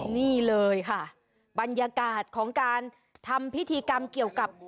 นี่เลยค่ะบรรยากาศของการทำพิธีกรรมเกี่ยวกับ